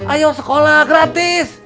ayo sekolah gratis